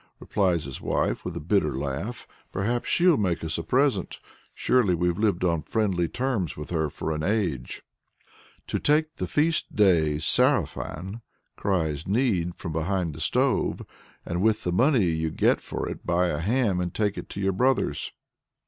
replies his wife with a bitter laugh. "Perhaps she'll make us a present. Surely we've lived on friendly terms with her for an age!" "Take the feast day sarafan," cries Need from behind the stove; "and with the money you get for it buy a ham and take it to your brother's."